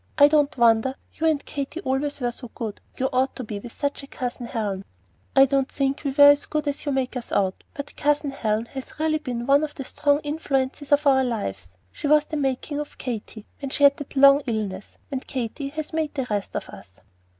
I don't wonder you and Katy always were so good; you ought to be with such a Cousin Helen." "I don't think we were as good as you make us out, but Cousin Helen has really been one of the strong influences of our lives. She was the making of Katy, when she had that long illness; and Katy has made the rest of us."